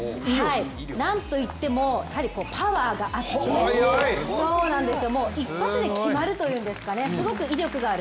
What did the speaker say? なんと言っても、パワーがあってもう一発で決まるというんですかね、すごく威力がある。